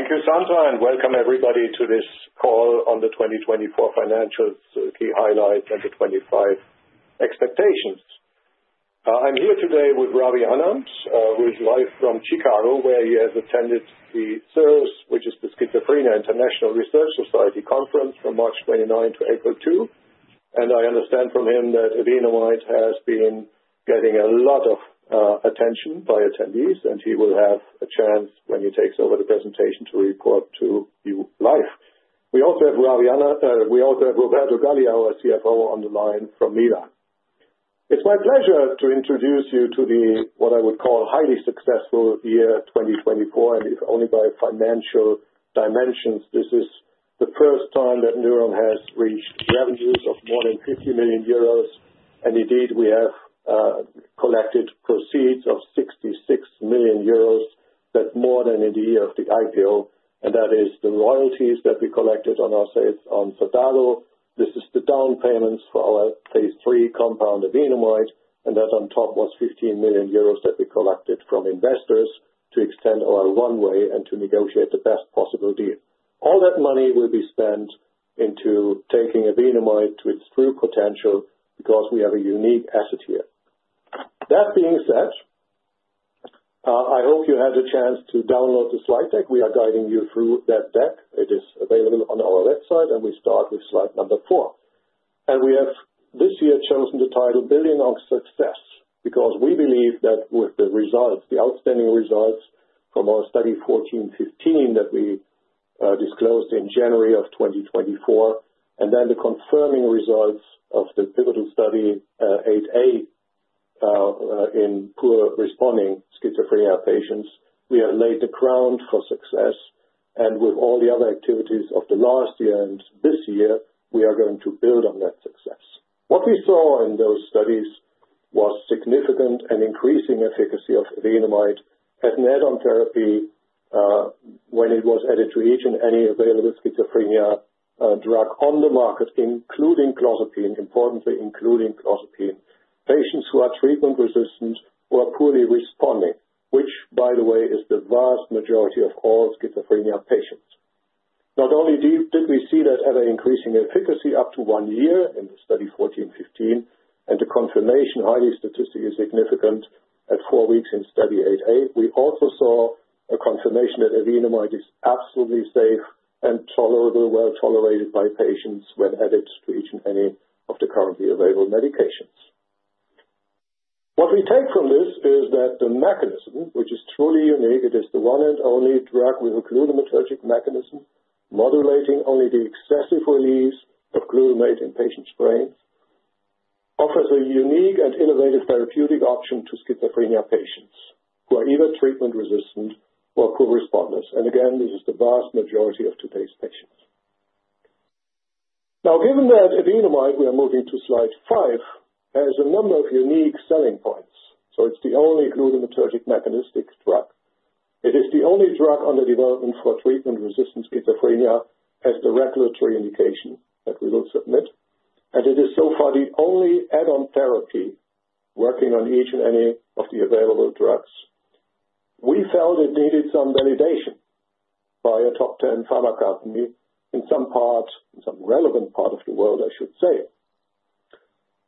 Thank you, Sandra, welcome everybody to this call on the 2024 financials, the key highlights, and the 2025 expectations. I'm here today with Ravi Anand, who is live from Chicago, where he has attended the SIRS, which is the Schizophrenia International Research Society Conference from March 29 to April 2. I understand from him that evenamide has been getting a lot of attention by attendees, and he will have a chance when he takes over the presentation to report to you live. We also have Roberto Galli, our CFO, on the line from Milan. It's my pleasure to introduce you to the, what I would call, highly successful year 2024, and if only by financial dimensions. This is the first time that Newron has reached revenues of more than 50 million euros. Indeed, we have collected proceeds of 66 million euros. That's more than in the year of the IPO, and that is the royalties that we collected on our sales on Xadago. This is the down payments for our phase III compound, evenamide, and that on top was 15 million euros that we collected from investors to extend our runway and to negotiate the best possible deal. All that money will be spent into taking evenamide to its true potential because we have a unique asset here. That being said, I hope you had the chance to download the slide deck. We are guiding you through that deck. It is available on our website. We start with slide number four. We have this year chosen the title Building on Success because we believe that with the outstanding results from our Study 014/015 that we disclosed in January 2024, and then the confirming results of the pivotal Study 008A in poor-responding schizophrenia patients, we have laid the ground for success, and with all the other activities of the last year and this year, we are going to build on that success. What we saw in those studies was significant and increasing efficacy of evenamide as an add-on therapy, when it was added to each and any available schizophrenia drug on the market, including clozapine, importantly including clozapine. Patients who are treatment-resistant were poorly responding, which, by the way, is the vast majority of all schizophrenia patients. Not only did we see that ever-increasing efficacy up to one year in the Study 014/015, and the confirmation highly statistically significant at four weeks in Study 008A, we also saw a confirmation that evenamide is absolutely safe and well-tolerated by patients when added to each and any of the currently available medications. What we take from this is that the mechanism, which is truly unique, it is the one and only drug with a glutamatergic mechanism, modulating only the excessive release of glutamate in patients' brains, offers a unique and innovative therapeutic option to schizophrenia patients who are either treatment-resistant or poor responders. Again, this is the vast majority of today's patients. Now, given that evenamide, we are moving to slide five, has a number of unique selling points. It's the only glutamatergic mechanistic drug. It is the only drug under development for treatment-resistant schizophrenia as the regulatory indication that we will submit. It is so far the only add-on therapy working on each and any of the available drugs. We felt it needed some validation by a top 10 pharma company in some relevant part of the world, I should say.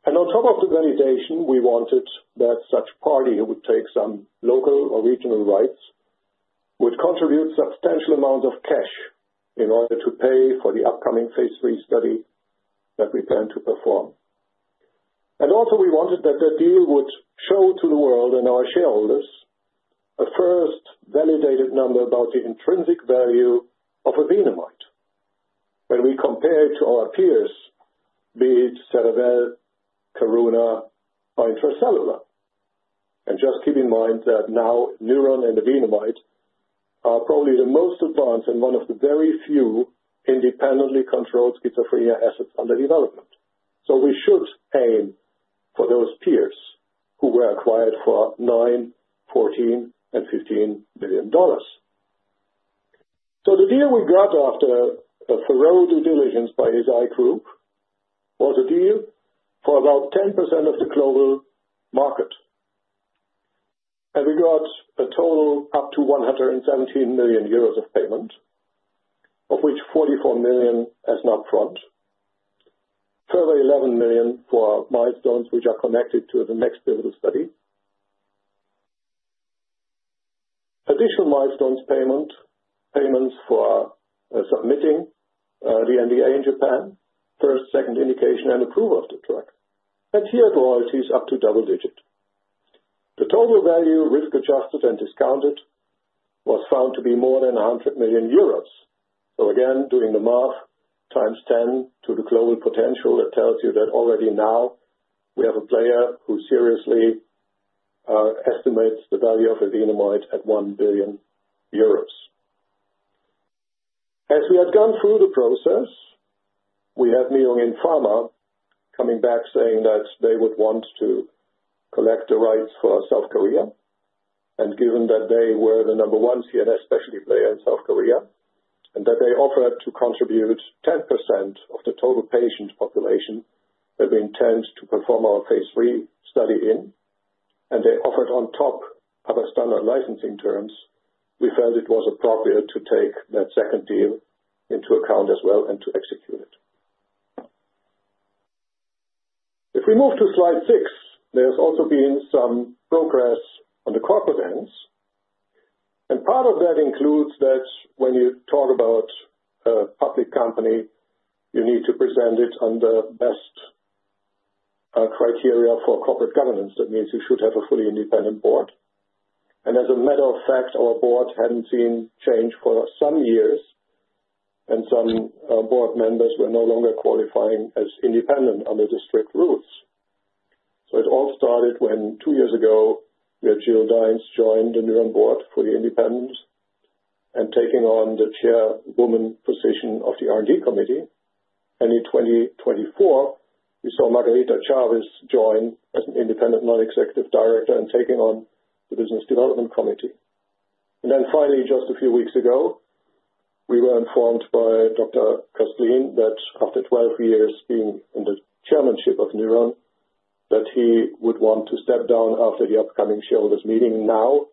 On top of the validation, we wanted that such party would take some local or regional rights, would contribute substantial amount of cash in order to pay for the upcoming phase III study that we plan to perform. We wanted that the deal would show to the world and our shareholders a first validated number about the intrinsic value of evenamide when we compare to our peers, be it Cerevel, Karuna or Intra-Cellular. Just keep in mind that now Newron and evenamide are probably the most advanced and one of the very few independently controlled schizophrenia assets under development. We should aim for those peers who were acquired for $9 billion, $14 billion and $15 billion. The deal we got after a thorough due diligence by Eisai Group was a deal for about 10% of the global market. We got a total up to 117 million euros of payment, of which 44 million as an upfront. Further 11 million for milestones, which are connected to the next pivotal study. Additional milestones payments for submitting the NDA in Japan, first second indication and approval of the drug, and tiered royalties up to double-digit. The total value, risk-adjusted and discounted, was found to be more than 100 million euros. Again, doing the math, times 10 to the global potential, that tells you that already now we have a player who seriously estimates the value of evenamide at 1 billion euros. As we had gone through the process, we had Myung In Pharm coming back saying that they would want to collect the rights for South Korea, and given that they were the number one CNS specialty player in South Korea, and that they offered to contribute 10% of the total patient population that we intend to perform our phase III study in. They offered on top of our standard licensing terms, we felt it was appropriate to take that second deal into account as well and to execute it. If we move to slide six, there's also been some progress on the corporate ends. Part of that includes that when you talk about a public company, you need to present it on the best criteria for corporate governance. That means you should have a fully independent board. As a matter of fact, our board hadn't seen change for some years, and some board members were no longer qualifying as independent under the strict rules. It all started when, two years ago, we had Gill Dines join the Newron board, fully independent, and taking on the chairwoman position of the R&D committee. In 2024, we saw Margarita Chavez join as an independent non-executive director and taking on the business development committee. Finally, just a few weeks ago, we were informed by Dr. Köstlin that after 12 years being in the chairmanship of Newron, that he would want to step down after the upcoming shareholders meeting. Now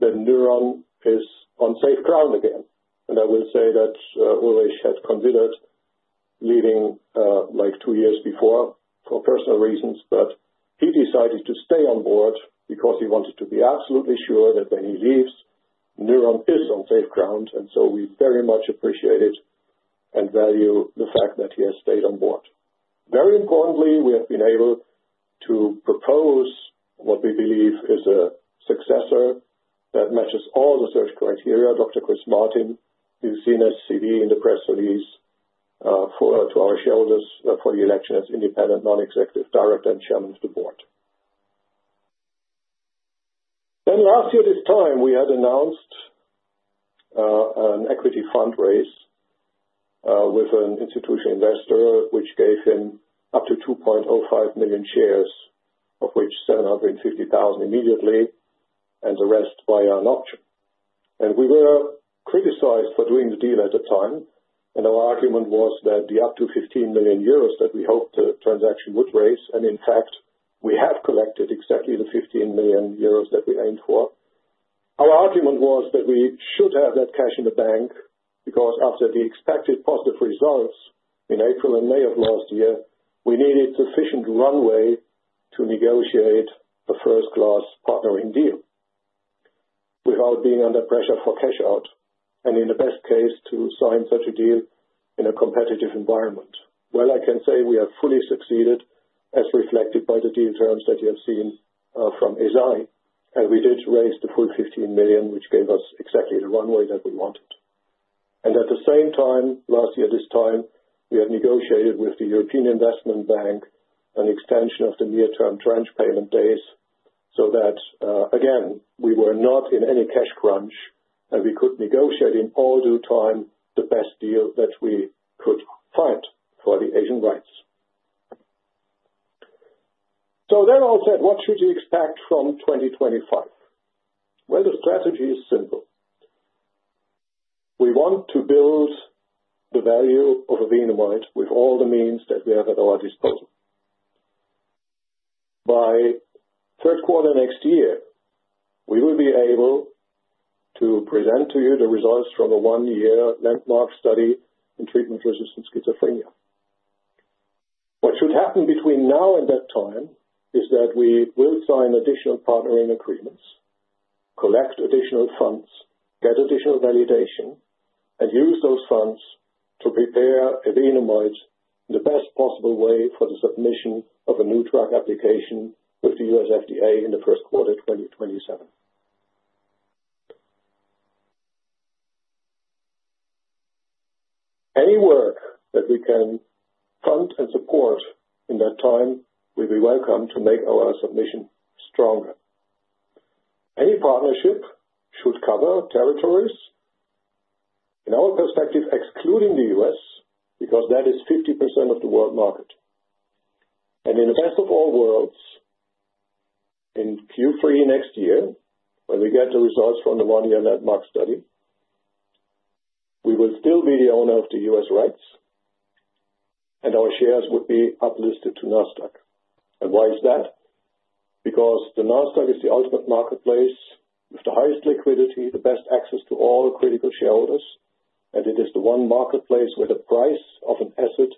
that Newron Pharmaceuticals is on safe ground again, I will say that Ulrich had considered leaving two years before for personal reasons, but he decided to stay on board because he wanted to be absolutely sure that when he leaves, Newron Pharmaceuticals is on safe ground. We very much appreciate it and value the fact that he has stayed on board. Very importantly, we have been able to propose what we believe is a successor that matches all the search criteria. Chris Martin, you've seen his CV in the press release, to our shareholders for the election as independent non-executive director and Chairman of the Board. Last year this time, we had announced an equity fund raise with an institutional investor, which gave him up to 2.05 million shares, of which 750,000 immediately and the rest via an option. We were criticized for doing the deal at the time, our argument was that the up to 15 million euros that we hoped the transaction would raise, in fact, we have collected exactly the 15 million euros that we aimed for. Our argument was that we should have that cash in the bank because after the expected positive results in April and May of last year, we needed sufficient runway to negotiate a first-class partnering deal without being under pressure for cash out, and in the best case, to sign such a deal in a competitive environment. Well, I can say we have fully succeeded, as reflected by the deal terms that you have seen from Eisai, we did raise the full 15 million, which gave us exactly the runway that we wanted. At the same time, last year this time, we had negotiated with the European Investment Bank an extension of the near-term tranche payment days so that, again, we were not in any cash crunch, we could negotiate in all due time the best deal that we could find for the Asian rights. That all said, what should you expect from 2025? Well, the strategy is simple. We want to build the value of evenamide with all the means that we have at our disposal. By third quarter next year, we will be able to present to you the results from a one-year landmark study in treatment-resistant schizophrenia. What should happen between now and that time is that we will sign additional partnering agreements, collect additional funds, get additional validation, and use those funds to prepare evenamide in the best possible way for the submission of a new drug application with the U.S. FDA in the first quarter 2027. Any work that we can fund and support in that time will be welcome to make our submission stronger. Any partnership should cover territories, in our perspective, excluding the U.S., because that is 50% of the world market. In the best of all worlds, in Q3 next year, when we get the results from the one-year landmark study, we will still be the owner of the U.S. rights and our shares would be uplisted to Nasdaq. Why is that? The Nasdaq is the ultimate marketplace with the highest liquidity, the best access to all critical shareholders, and it is the one marketplace where the price of an asset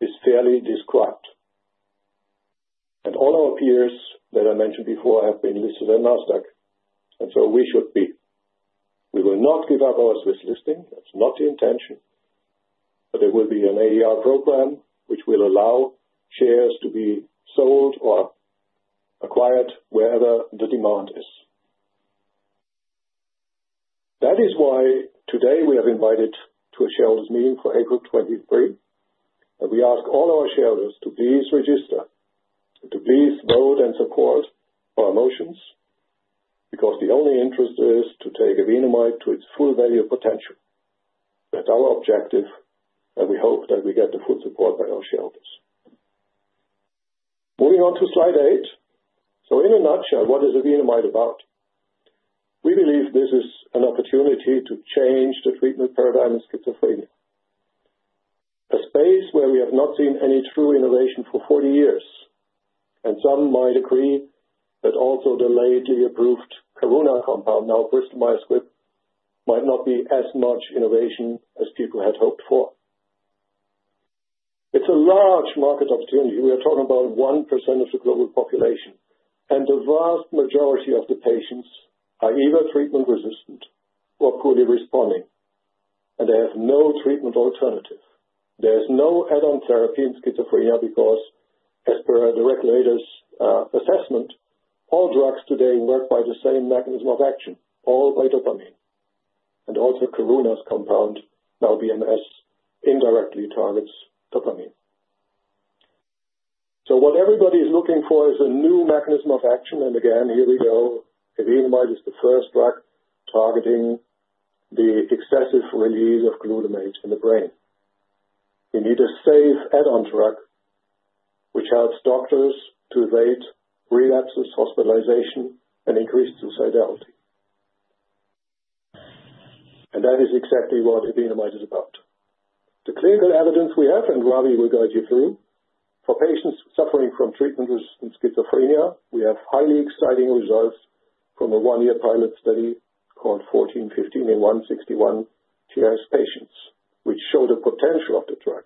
is fairly described. All our peers that I mentioned before have been listed on Nasdaq, so we should be. We will not give up our Swiss listing. That is not the intention. There will be an ADR program which will allow shares to be sold or acquired wherever the demand is. That is why today we have invited to a shareholders meeting for April 23, and we ask all our shareholders to please register and to please vote and support our motions because the only interest is to take evenamide to its full value potential. That is our objective, and we hope that we get the full support by our shareholders. Moving on to slide eight. In a nutshell, what is evenamide about? We believe this is an opportunity to change the treatment paradigm in schizophrenia. A space where we have not seen any true innovation for 40 years, some might agree that also the late, FDA-approved Karuna compound, now Bristol Myers Squibb, might not be as much innovation as people had hoped for. It is a large market opportunity. We are talking about 1% of the global population, the vast majority of the patients are either treatment-resistant or poorly responding, and they have no treatment alternative. There is no add-on therapy in schizophrenia because, as per the regulators' assessment, all drugs today work by the same mechanism of action, all by dopamine. Also Karuna's compound, now BMS, indirectly targets dopamine. What everybody is looking for is a new mechanism of action. Again, here we go, evenamide is the first drug targeting the excessive release of glutamate in the brain. We need a safe add-on drug which helps doctors to evade relapses, hospitalization, and increased suicidality. That is exactly what evenamide is about. The clinical evidence we have, and Ravi will guide you through, for patients suffering from treatment-resistant schizophrenia, we have highly exciting results from a one-year pilot study called 1415 in 161 TRS patients, which show the potential of the drug.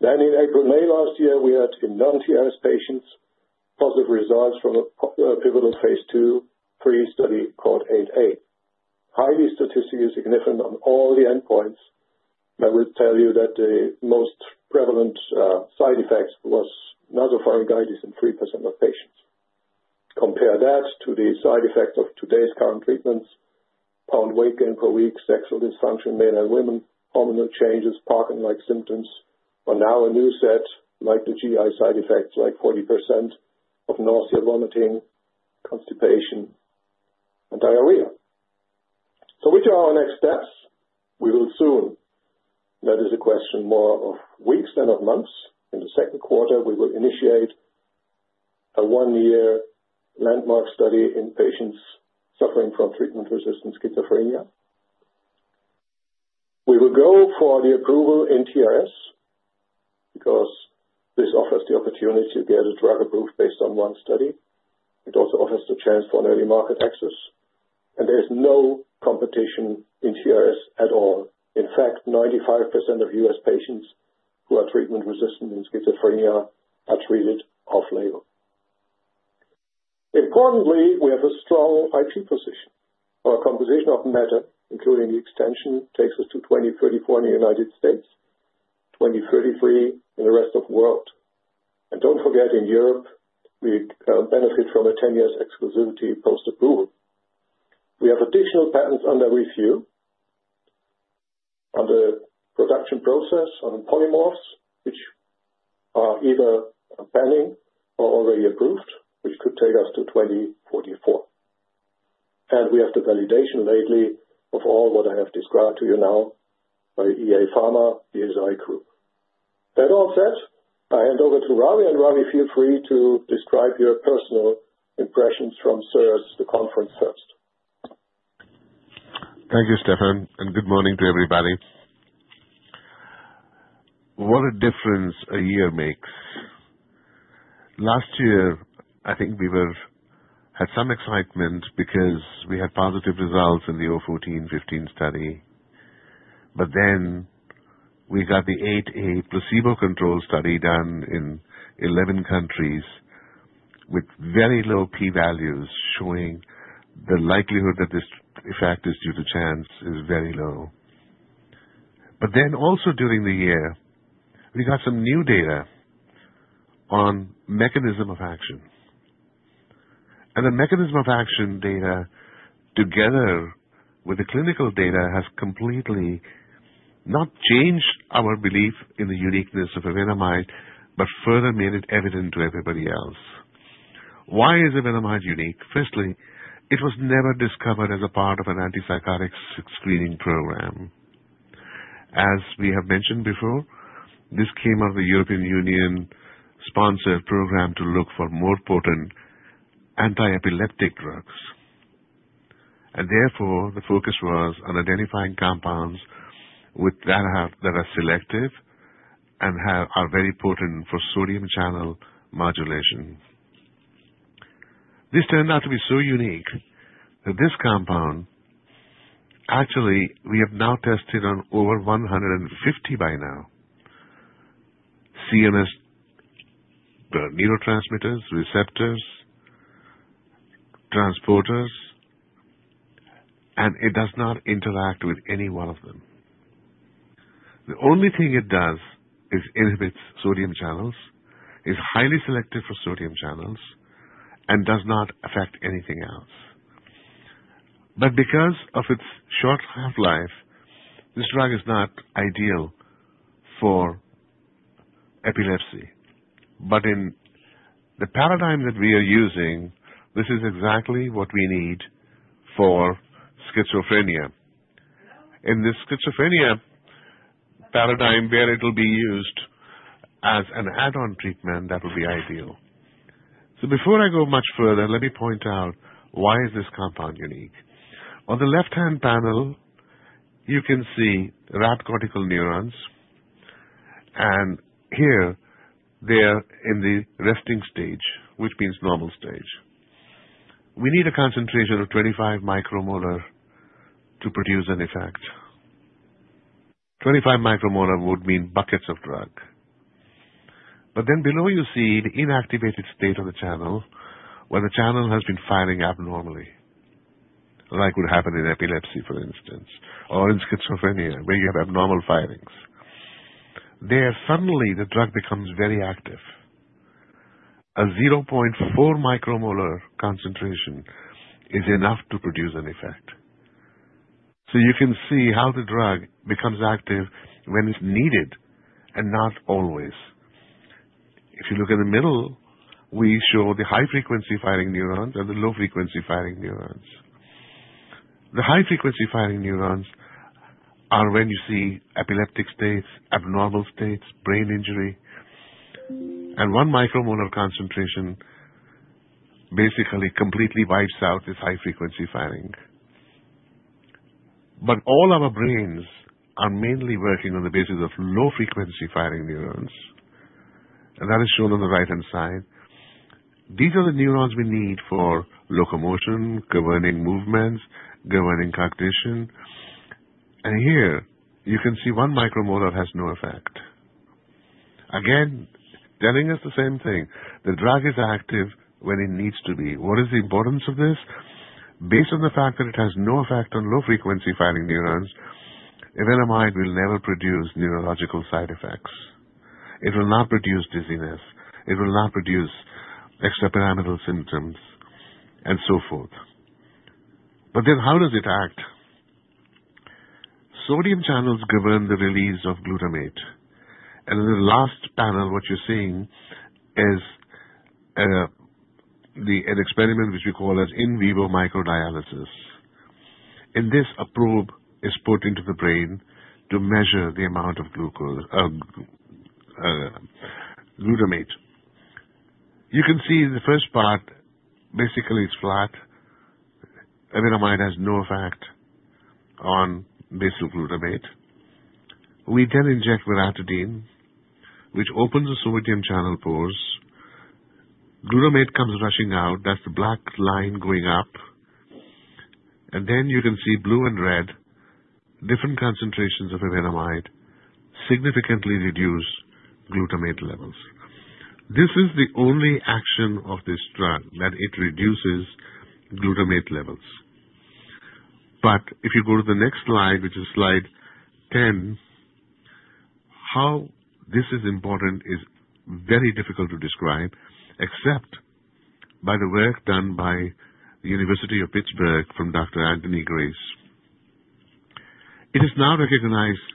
In April, May last year, we had in non-TRS patients positive results from a pivotal phase II pre-study called 8A. Highly statistically significant on all the endpoints that will tell you that the most prevalent side effects was nasopharyngitis in 3% of patients. Compare that to the side effects of today's current treatments, pound weight gain per week, sexual dysfunction, men and women, hormonal changes, Parkinson-like symptoms. Now a new set like the GI side effects, like 40% of nausea, vomiting, constipation, and diarrhea. Which are our next steps? We will soon. That is a question more of weeks than of months. In the second quarter, we will initiate a one-year landmark study in patients suffering from treatment-resistant schizophrenia. We will go for the approval in TRS because this offers the opportunity to get a drug approved based on one study. It also offers the chance for an early market access, there is no competition in TRS at all. In fact, 95% of U.S. patients who are treatment-resistant in schizophrenia are treated off-label. Importantly, we have a strong IP position. Our composition of matter, including the extension, takes us to 2034 in the U.S., 2033 in the rest of the world. Don't forget, in Europe, we benefit from a 10-year exclusivity post-approval. We have additional patents under review on the production process on the polymorphs, which are either pending or already approved, which could take us to 2044. We have the validation lately of all what I have described to you now by EA Pharma/Eisai Group. That all said, I hand over to Ravi. Ravi, feel free to describe your personal impressions from SIRS, the conference first. Thank you, Stefan, and good morning to everybody. What a difference a year makes. Last year, I think we had some excitement because we had positive results in the Study 014/015. We got the study 008A placebo control study done in 11 countries with very low P values, showing the likelihood that this effect is due to chance is very low. Also during the year, we got some new data on mechanism of action. The mechanism of action data, together with the clinical data, has completely not changed our belief in the uniqueness of evenamide, but further made it evident to everybody else. Why is evenamide unique? Firstly, it was never discovered as a part of an antipsychotic screening program. As we have mentioned before, this came out of the European Union-sponsored program to look for more potent anti-epileptic drugs. Therefore, the focus was on identifying compounds that are selective and are very potent for sodium channel modulation. This turned out to be so unique that this compound, actually, we have now tested on over 150 by now, CNS neurotransmitters, receptors, transporters, and it does not interact with any one of them. The only thing it does is inhibits sodium channels, is highly selective for sodium channels, and does not affect anything else. Because of its short half-life, this drug is not ideal for epilepsy. In the paradigm that we are using, this is exactly what we need for schizophrenia. In the schizophrenia paradigm where it will be used as an add-on treatment, that will be ideal. Before I go much further, let me point out why is this compound unique. On the left-hand panel, you can see rat cortical neurons, and here they are in the resting stage, which means normal stage. We need a concentration of 25 micromolar to produce an effect. 25 micromolar would mean buckets of drug. Below you see the inactivated state of the channel, where the channel has been firing abnormally. Like could happen in epilepsy, for instance, or in schizophrenia, where you have abnormal firings. There, suddenly the drug becomes very active. A 0.4 micromolar concentration is enough to produce an effect. You can see how the drug becomes active when it's needed and not always. If you look in the middle, we show the high-frequency firing neurons and the low-frequency firing neurons. The high-frequency firing neurons are when you see epileptic states, abnormal states, brain injury. 1 micromolar concentration basically completely wipes out this high-frequency firing. All our brains are mainly working on the basis of low-frequency firing neurons, that is shown on the right-hand side. These are the neurons we need for locomotion, governing movements, governing cognition. Here you can see one micromolar has no effect. Again, telling us the same thing. The drug is active when it needs to be. What is the importance of this? Based on the fact that it has no effect on low-frequency firing neurons, evenamide will never produce neurological side effects. It will not produce dizziness. It will not produce extrapyramidal symptoms and so forth. How does it act? Sodium channels govern the release of glutamate. In the last panel, what you're seeing is an experiment which we call as in vivo microdialysis. In this, a probe is put into the brain to measure the amount of glutamate. You can see the first part basically is flat. Evenamide has no effect on basic glutamate. We then inject veratridine, which opens the sodium channel pores. Glutamate comes rushing out. That's the black line going up. You can see blue and red. Different concentrations of evenamide significantly reduce glutamate levels. This is the only action of this drug, that it reduces glutamate levels. If you go to the next slide, which is slide 10, how this is important is very difficult to describe, except by the work done by the University of Pittsburgh from Dr. Anthony Grace. It is now recognized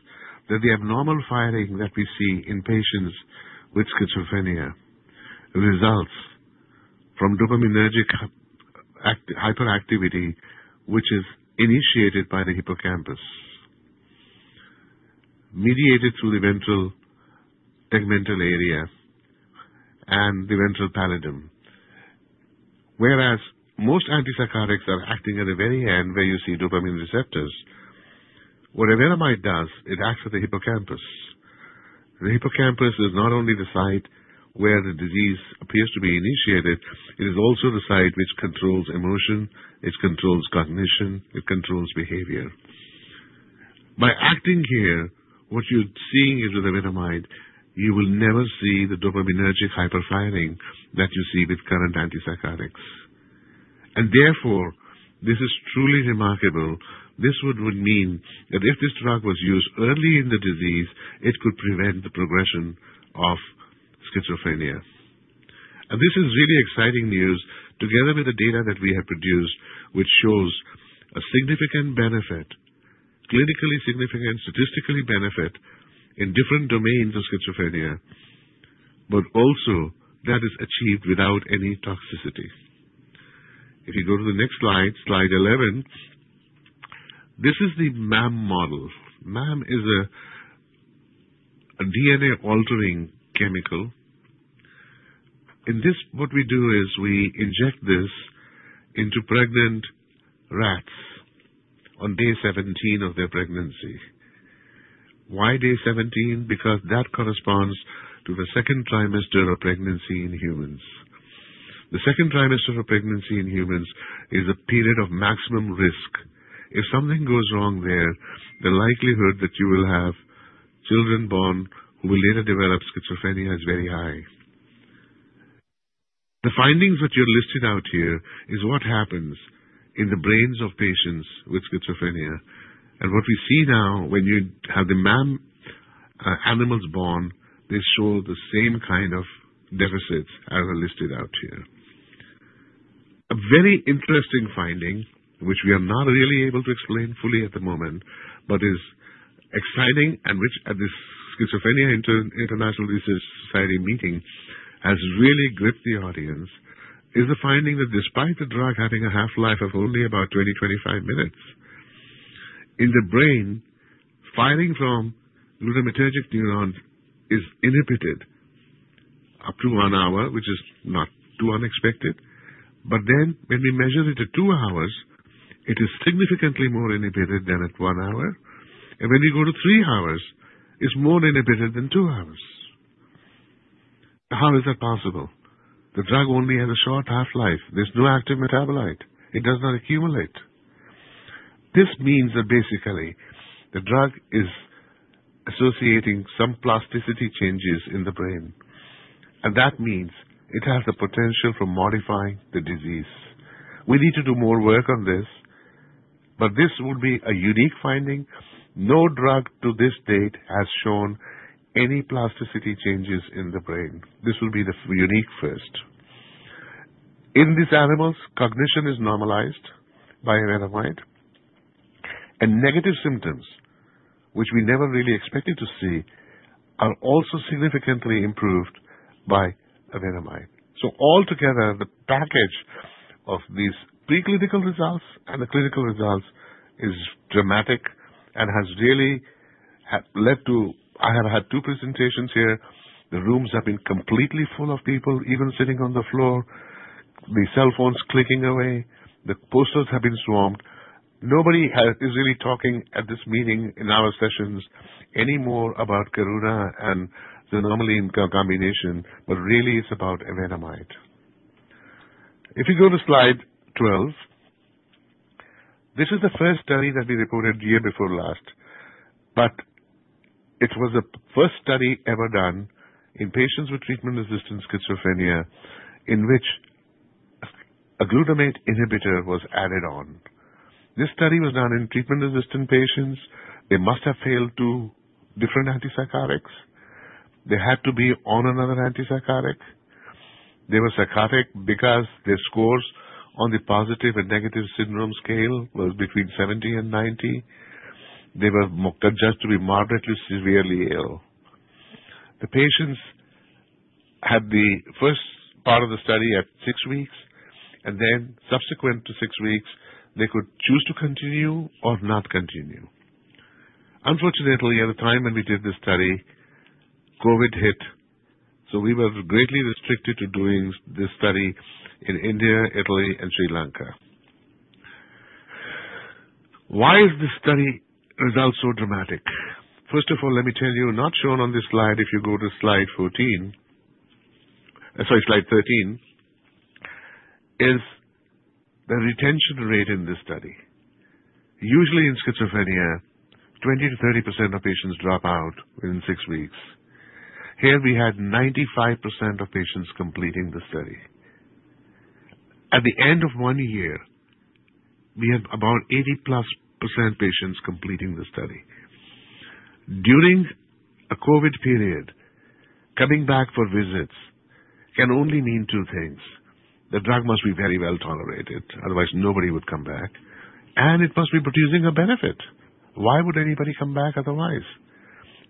that the abnormal firing that we see in patients with schizophrenia results from dopaminergic hyperactivity, which is initiated by the hippocampus, mediated through the ventral tegmental area and the ventral pallidum. Whereas most antipsychotics are acting at the very end where you see dopamine receptors. What evenamide does, it acts at the hippocampus. The hippocampus is not only the site where the disease appears to be initiated, it is also the site which controls emotion, it controls cognition, it controls behavior. By acting here, what you're seeing is with evenamide, you will never see the dopaminergic hyperfiring that you see with current antipsychotics. Therefore, this is truly remarkable. This would mean that if this drug was used early in the disease, it could prevent the progression of schizophrenia. This is really exciting news together with the data that we have produced, which shows a significant benefit, clinically significant, statistically benefit in different domains of schizophrenia. Also that is achieved without any toxicity. If you go to the next slide 11. This is the MAM model. MAM is a DNA-altering chemical. In this, what we do is we inject this into pregnant rats on day 17 of their pregnancy. Why day 17? Because that corresponds to the second trimester of pregnancy in humans. The second trimester of pregnancy in humans is a period of maximum risk. If something goes wrong there, the likelihood that you will have children born who will later develop schizophrenia is very high. The findings that you're listed out here is what happens in the brains of patients with schizophrenia. What we see now when you have the MAM animals born, they show the same kind of deficits as are listed out here. A very interesting finding, which we are not really able to explain fully at the moment, but is exciting and which at the Schizophrenia International Research Society meeting has really gripped the audience, is the finding that despite the drug having a half-life of only about 20, 25 minutes. In the brain, firing from glutamatergic neurons is inhibited up to one hour, which is not too unexpected. When we measure it at two hours, it is significantly more inhibited than at one hour. When we go to three hours, it's more inhibited than two hours. How is that possible? The drug only has a short half-life. There's no active metabolite. It does not accumulate. This means that basically the drug is associating some plasticity changes in the brain, and that means it has the potential for modifying the disease. We need to do more work on this, but this would be a unique finding. No drug to this date has shown any plasticity changes in the brain. This will be the unique first. In these animals, cognition is normalized by evenamide, and negative symptoms, which we never really expected to see, are also significantly improved by evenamide. Altogether, the package of these preclinical results and the clinical results is dramatic and has really led to I have had two presentations here. The rooms have been completely full of people, even sitting on the floor, the cell phones clicking away. The posters have been swamped. Nobody is really talking at this meeting in our sessions anymore about Karuna and xanomeline combination, but really it's about evenamide. If you go to slide 12. This is the first study that we reported year before last. It was the first study ever done in patients with treatment-resistant schizophrenia in which a glutamate inhibitor was added on. This study was done in treatment-resistant patients. They must have failed two different antipsychotics. They had to be on another antipsychotic. They were psychotic because their scores on the positive and negative syndrome scale was between 70 and 90. They were judged to be moderately, severely ill. The patients had the first part of the study at six weeks, and then subsequent to six weeks, they could choose to continue or not continue. Unfortunately, at the time when we did the study, COVID hit, so we were greatly restricted to doing this study in India, Italy, and Sri Lanka. Why is this study result so dramatic? First of all, let me tell you, not shown on this slide. If you go to slide 14, sorry, slide 13, is the retention rate in this study. Usually in schizophrenia, 20%-30% of patients drop out within six weeks. Here we had 95% of patients completing the study. At the end of one year, we had about 80% plus patients completing the study. During a COVID period, coming back for visits can only mean two things. The drug must be very well tolerated, otherwise nobody would come back, and it must be producing a benefit. Why would anybody come back otherwise?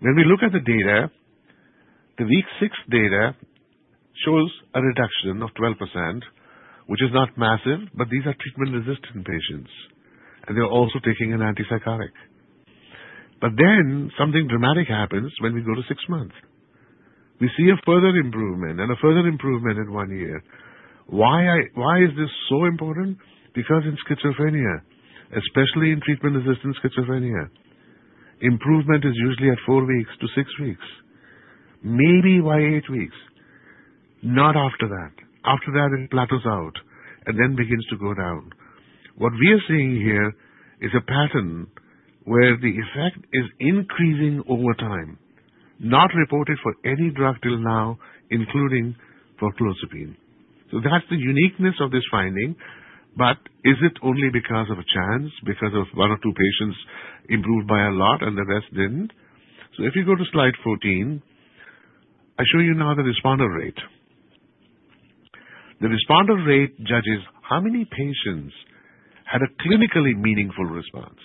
When we look at the data, the week six data shows a reduction of 12%, which is not massive, but these are treatment-resistant patients, and they're also taking an antipsychotic. Something dramatic happens when we go to six months. We see a further improvement and a further improvement in one year. Why is this so important? In schizophrenia, especially in treatment-resistant schizophrenia, improvement is usually at four weeks to six weeks, maybe by eight weeks, not after that. It plateaus out and then begins to go down. What we are seeing here is a pattern where the effect is increasing over time, not reported for any drug till now, including clozapine. That's the uniqueness of this finding. Is it only because of chance, because one or two patients improved by a lot and the rest didn't? If you go to slide 14, I show you now the responder rate. The responder rate judges how many patients had a clinically meaningful response.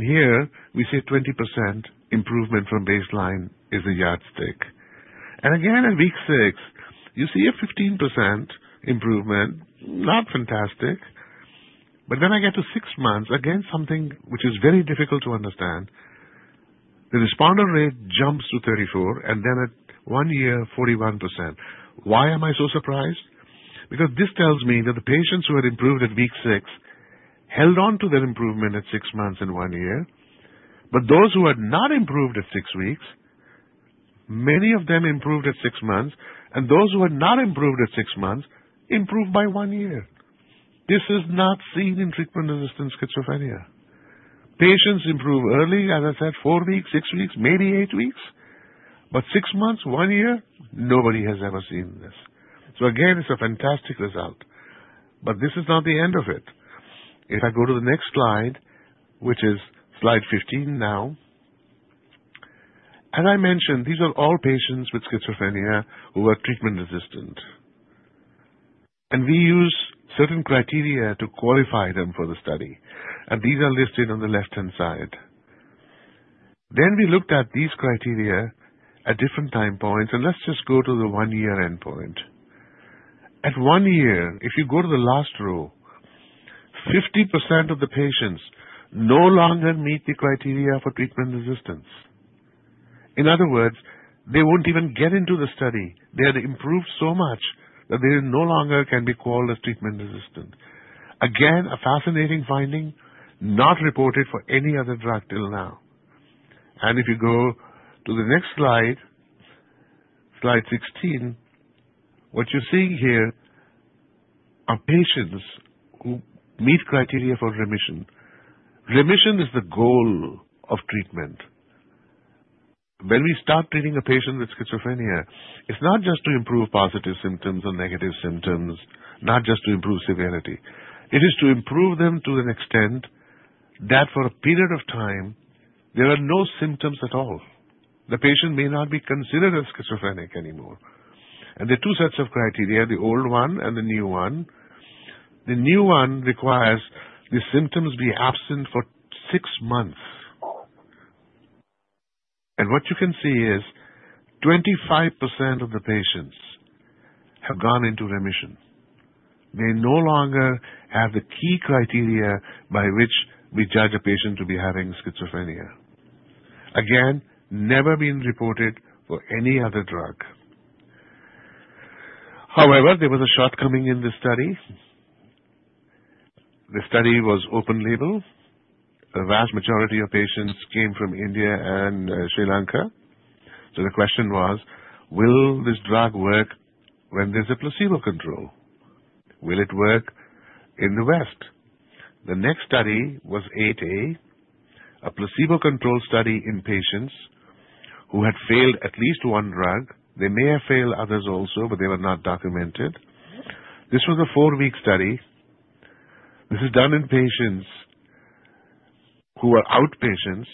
Here we say 20% improvement from baseline is a yardstick. Again, at week six, you see a 15% improvement. Not fantastic. I get to six months, again, something which is very difficult to understand. The responder rate jumps to 34%, and then at one year, 41%. Why am I so surprised? This tells me that the patients who had improved at week six held on to their improvement at six months and one year. Those who had not improved at six weeks, many of them improved at six months, and those who had not improved at six months improved by one year. This is not seen in treatment-resistant schizophrenia. Patients improve early, as I said, four weeks, six weeks, maybe eight weeks. Six months, one year, nobody has ever seen this. Again, it's a fantastic result. This is not the end of it. If I go to the next slide, which is slide 15 now. As I mentioned, these are all patients with schizophrenia who are treatment-resistant. We use certain criteria to qualify them for the study, these are listed on the left-hand side. We looked at these criteria at different time points, and let's just go to the one-year endpoint. At one year, if you go to the last row, 50% of the patients no longer meet the criteria for treatment resistance. In other words, they won't even get into the study. They have improved so much that they no longer can be called as treatment resistant. Again, a fascinating finding not reported for any other drug till now. If you go to the next slide 16, what you're seeing here are patients who meet criteria for remission. Remission is the goal of treatment. When we start treating a patient with schizophrenia, it's not just to improve positive symptoms or negative symptoms, not just to improve severity. It is to improve them to an extent that for a period of time, there are no symptoms at all. The patient may not be considered as schizophrenic anymore. There are two sets of criteria, the old one and the new one. The new one requires the symptoms be absent for six months. What you can see is 25% of the patients have gone into remission. They no longer have the key criteria by which we judge a patient to be having schizophrenia. Again, never been reported for any other drug. However, there was a shortcoming in this study. The study was open label. The vast majority of patients came from India and Sri Lanka. The question was, will this drug work when there's a placebo control? Will it work in the West? The next study was 8a, a placebo-controlled study in patients who had failed at least one drug. They may have failed others also, but they were not documented. This was a four-week study. This is done in patients who are outpatients,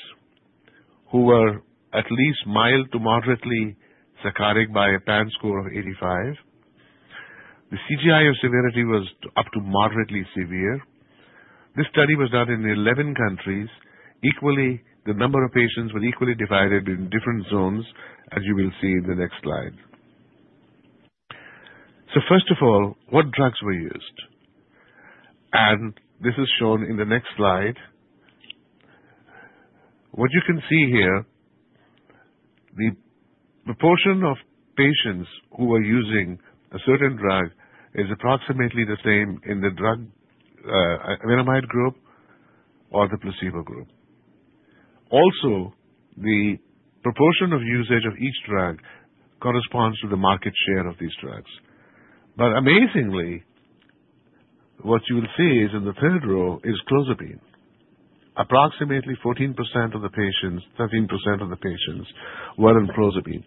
who were at least mild to moderately psychotic by a PANSS score of 85. The CGI of severity was up to moderately severe. This study was done in 11 countries. The number of patients were equally divided in different zones, as you will see in the next slide. First of all, what drugs were used? This is shown in the next slide. What you can see here, the proportion of patients who are using a certain drug is approximately the same in the aripiprazole group or the placebo group. Also, the proportion of usage of each drug corresponds to the market share of these drugs. Amazingly, what you will see is in the third row is clozapine. Approximately 13% of the patients were on clozapine.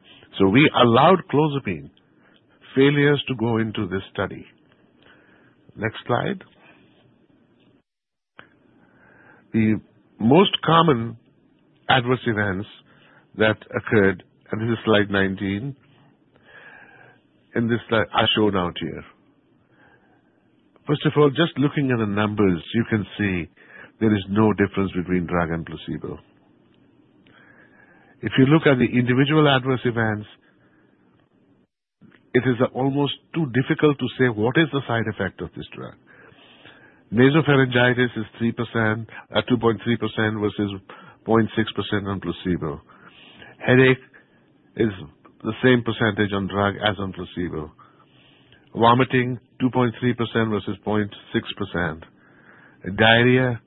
We allowed clozapine failures to go into this study. Next slide. The most common adverse events that occurred, and this is slide 19, in this slide are shown out here. First of all, just looking at the numbers, you can see there is no difference between drug and placebo. If you look at the individual adverse events, it is almost too difficult to say what is the side effect of this drug. nasopharyngitis is 2.3% versus 0.6% on placebo. Headache is the same percentage on drug as on placebo. Vomiting, 2.3% versus 0.6%. Diarrhea,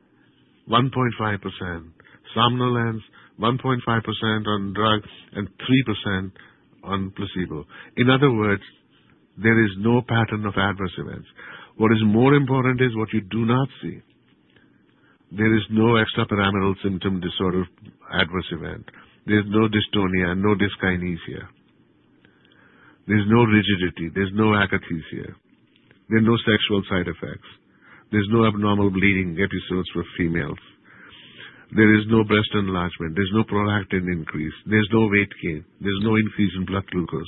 1.5%. somnolence, 1.5% on drugs and 3% on placebo. In other words, there is no pattern of adverse events. What is more important is what you do not see. There is no extrapyramidal symptom disorder adverse event. There's no dystonia, no dyskinesia. There's no rigidity. There's no akathisia. There are no sexual side effects. There's no abnormal bleeding episodes for females. There is no breast enlargement. There's no prolactin increase. There's no weight gain. There's no increase in blood glucose.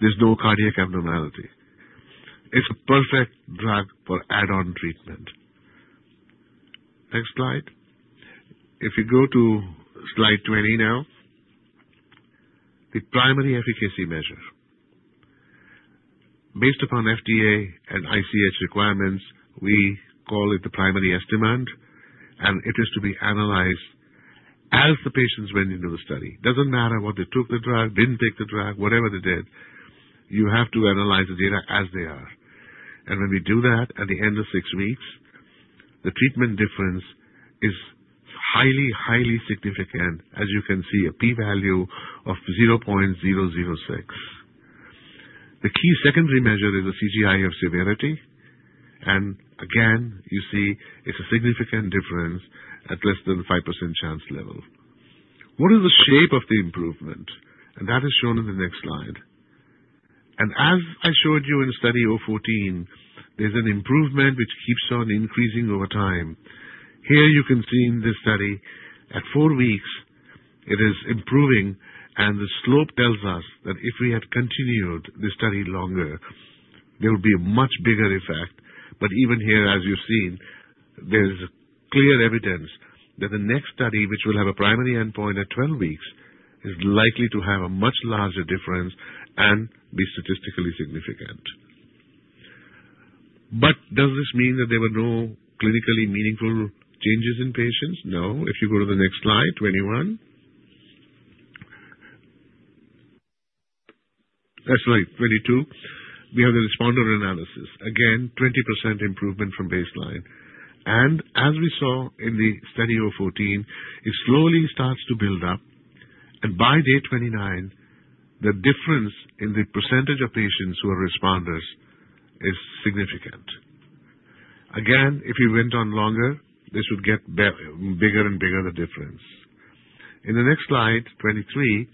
There's no cardiac abnormality. It's a perfect drug for add-on treatment. Next slide. If you go to slide 20 now, the primary efficacy measure. Based upon FDA and ICH requirements, we call it the primary estimand, and it is to be analyzed as the patients went into the study. Doesn't matter whether they took the drug, didn't take the drug, whatever they did, you have to analyze the data as they are. When we do that at the end of six weeks, the treatment difference is highly significant. As you can see, a P value of 0.006. The key secondary measure is the CGI of severity. Again, you see it's a significant difference at less than 5% chance level. What is the shape of the improvement? That is shown in the next slide. As I showed you in Study 014, there's an improvement which keeps on increasing over time. Here you can see in this study, at four weeks, it is improving, and the slope tells us that if we had continued the study longer-There will be a much bigger effect. But even here, as you've seen, there's clear evidence that the next study, which will have a primary endpoint at 12 weeks, is likely to have a much larger difference and be statistically significant. But does this mean that there were no clinically meaningful changes in patients? No. If you go to the next slide, 21. Slide 22, we have the responder analysis. 20% improvement from baseline. As we saw in the Study 014, it slowly starts to build up, and by day 29, the difference in the percentage of patients who are responders is significant. If you went on longer, this would get bigger and bigger, the difference. In the next slide, 23,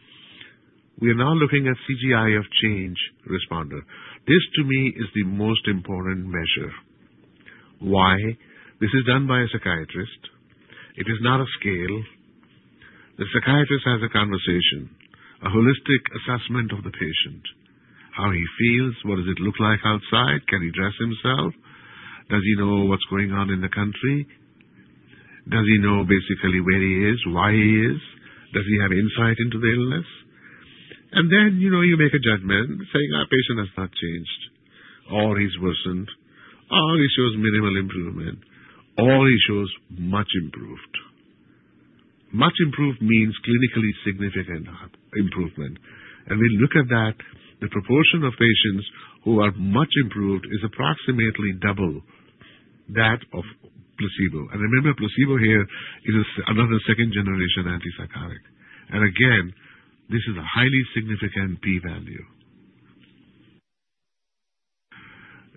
we are now looking at CGI of change responder. This, to me, is the most important measure. Why? This is done by a psychiatrist. It is not a scale. The psychiatrist has a conversation, a holistic assessment of the patient. How he feels, what does it look like outside? Can he dress himself? Does he know what's going on in the country? Does he know basically where he is, why he is? Does he have insight into the illness? Then you make a judgment saying, "Our patient has not changed," or "He's worsened," or "He shows minimal improvement," or "He shows much improved." Much improved means clinically significant improvement. We look at that. The proportion of patients who are much improved is approximately double that of placebo. Remember, placebo here, it is another second-generation antipsychotic. Again, this is a highly significant P value.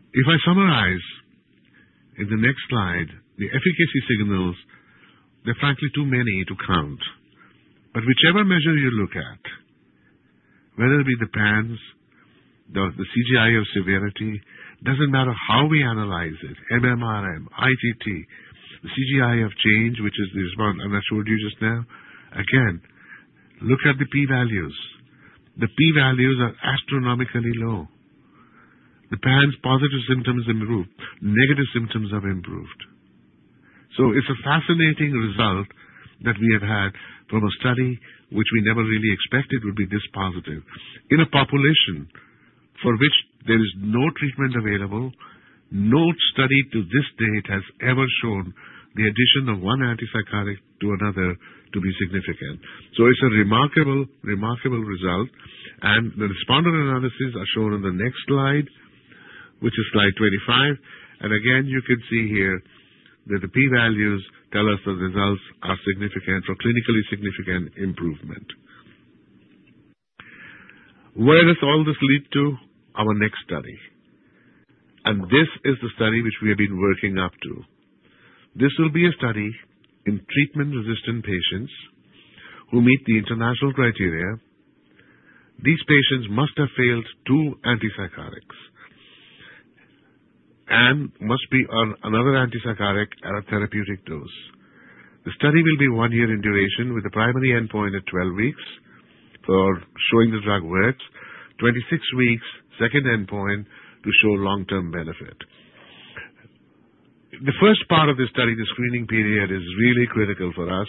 If I summarize in the next slide, the efficacy signals, they're frankly too many to count. Whichever measure you look at, whether it be the PANSS, the CGI of severity, doesn't matter how we analyze it, MMRM, ITT, the CGI of change, which is the response, I showed you just now. Look at the P values. The P values are astronomically low. The PANSS positive symptoms improved, negative symptoms have improved. It's a fascinating result that we have had from a study which we never really expected would be this positive in a population for which there is no treatment available. No study to this date has ever shown the addition of one antipsychotic to another to be significant. It's a remarkable result, the responder analyses are shown in the next slide, which is slide 25. Again, you can see here that the P values tell us the results are significant or clinically significant improvement. Where does all this lead to? Our next study. This is the study which we have been working up to. This will be a study in treatment-resistant patients who meet the international criteria. These patients must have failed two antipsychotics and must be on another antipsychotic at a therapeutic dose. The study will be one year in duration with a primary endpoint at 12 weeks for showing the drug works, 26 weeks, second endpoint to show long-term benefit. The first part of the study, the screening period, is really critical for us,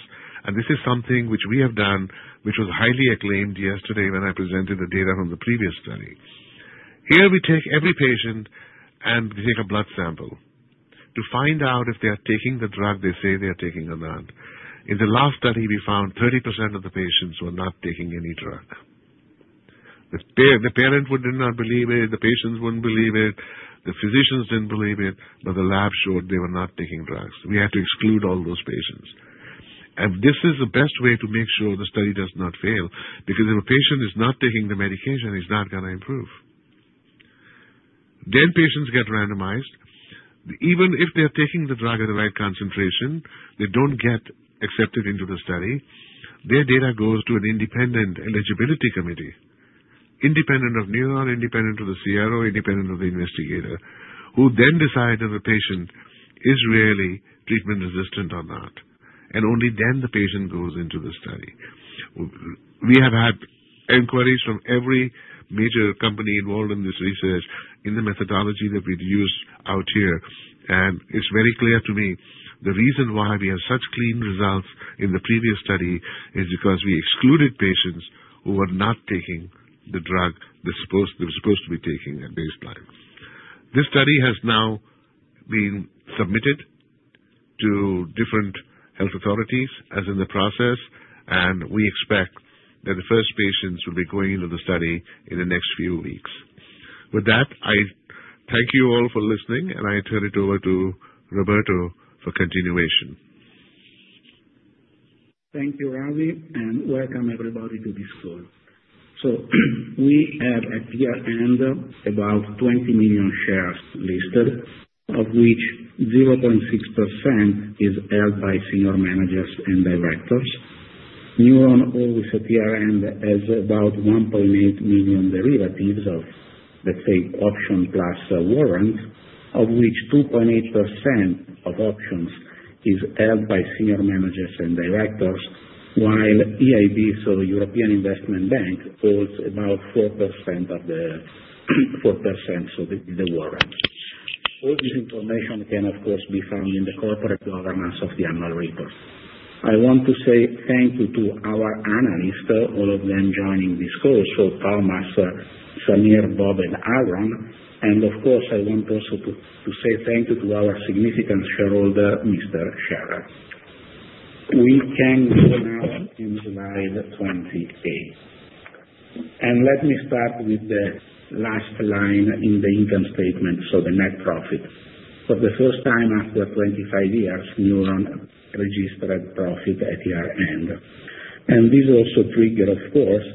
this is something which we have done, which was highly acclaimed yesterday when I presented the data from the previous study. Here we take every patient, we take a blood sample to find out if they are taking the drug they say they are taking the drug. In the last study, we found 30% of the patients were not taking any drug. The parent would not believe it, the patients wouldn't believe it, the physicians didn't believe it, the lab showed they were not taking drugs. We had to exclude all those patients. This is the best way to make sure the study does not fail, because if a patient is not taking the medication, he is not going to improve. Patients get randomized. Even if they are taking the drug at the right concentration, they do not get accepted into the study. Their data goes to an independent eligibility committee, independent of Newron, independent of the CRO, independent of the investigator, who then decide if a patient is really treatment-resistant or not. Only then the patient goes into the study. We have had inquiries from every major company involved in this research in the methodology that we use out here. It is very clear to me the reason why we have such clean results in the previous study is because we excluded patients who were not taking the drug they were supposed to be taking at baseline. This study has now been submitted to different health authorities, as in the process, we expect that the first patients will be going into the study in the next few weeks. With that, I thank you all for listening. I turn it over to Roberto for continuation. Thank you, Ravi. Welcome everybody to this call. We have at year-end about 20 million shares listed, of which 0.6% is held by senior managers and directors. Newron always at year-end has about 1.8 million derivatives of, let's say, option plus warrant, of which 2.8% of options is held by senior managers and directors. While EIB, European Investment Bank, holds about 4% of the warrants. All this information can, of course, be found in the corporate governance of the annual report. I want to say thank you to our analysts, all of them joining this call. Thomas, Samir, Bob, and Aaron, and of course, I want also to say thank you to our significant shareholder, Mr. Scharrer. We can go now to slide 28. Let me start with the last line in the income statement, the net profit. For the first time after 25 years, Newron registered a profit at year-end. This also triggered, of course,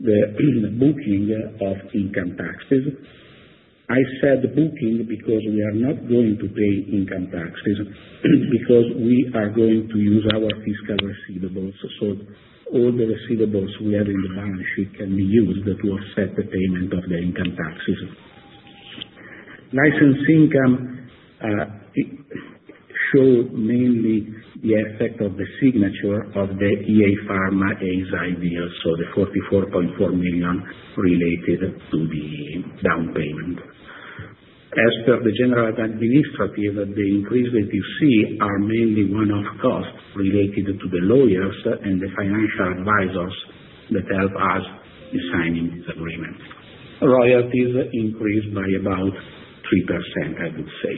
the booking of income taxes. I said booking because we are not going to pay income taxes, because we are going to use our fiscal receivables. All the receivables we have in the balance sheet can be used to offset the payment of the income taxes. License income show mainly the effect of the signature of the EA Pharma's Eisai deal. The 44.4 million related to the down payment. As per the general administrative, the increase that you see are mainly one-off costs related to the lawyers and the financial advisors that help us in signing this agreement. Royalties increased by about 3%, I would say.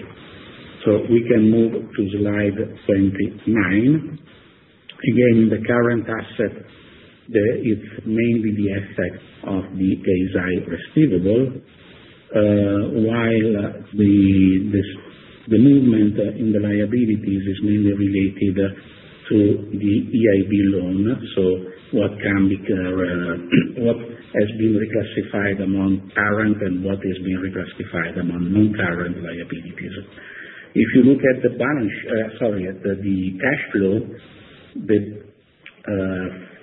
We can move to slide 29. The current asset there is mainly the effect of the Eisai receivable, while the movement in the liabilities is mainly related to the EIB loan. What has been reclassified among current and what has been reclassified among non-current liabilities. If you look at the cash flow, the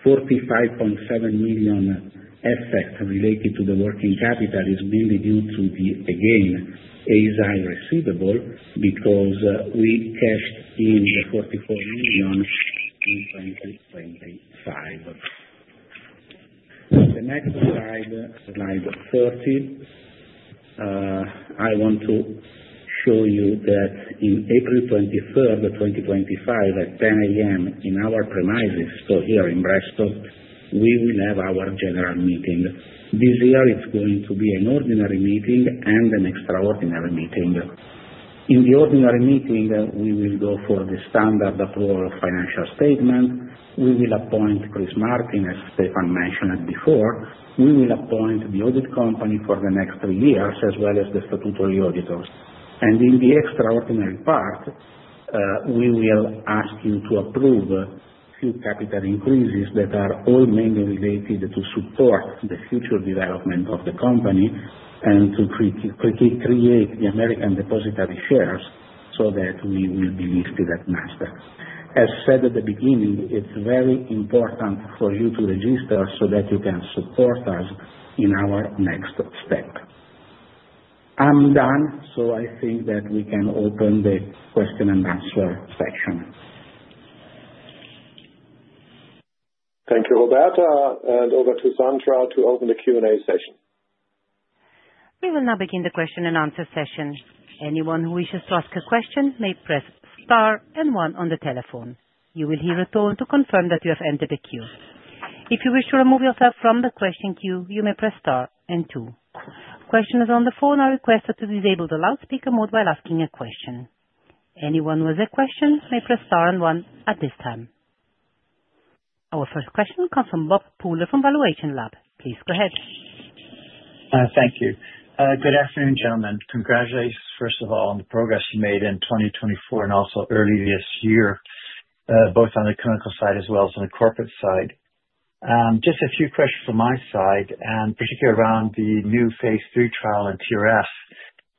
45.7 million effect related to the working capital is mainly due to the, again, Eisai receivable, because we cashed in the EUR 44 million in 2025. Next slide 40. I want to show you that in April 23rd, 2025 at 10:00 A.M. in our premises, so here in Bresso, we will have our general meeting. This year it's going to be an ordinary meeting and an extraordinary meeting. In the ordinary meeting, we will go for the standard approval of financial statement. We will appoint Chris Martin, as Stefan mentioned before. We will appoint the audit company for the next three years as well as the statutory auditors. In the extraordinary part, we will ask you to approve two capital increases that are all mainly related to support the future development of the company and to pre-create the American depository shares so that we will be listed at Nasdaq. As said at the beginning, it's very important for you to register so that you can support us in our next step. I'm done. I think that we can open the question and answer section. Thank you, Roberto. Over to Sandra to open the Q&A session. We will now begin the question and answer session. Anyone who wishes to ask a question may press Star and One on the telephone. You will hear a tone to confirm that you have entered a queue. If you wish to remove yourself from the question queue, you may press Star and Two. Questioners on the phone are requested to disable the loudspeaker mode while asking a question. Anyone with a question may press Star and One at this time. Our first question comes from Bob Pooler from Valuation Lab. Please go ahead. Thank you. Good afternoon, gentlemen. Congratulations, first of all, on the progress you made in 2024 and also early this year, both on the clinical side as well as on the corporate side. Just a few questions from my side, particularly around the new phase III trial in TRS,